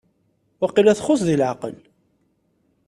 Waqila txuṣ deg leɛqel?